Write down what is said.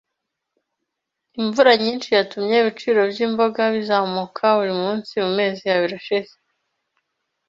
Imvura nyinshi yatumye ibiciro byimboga bizamuka buri munsi mumezi abiri ashize.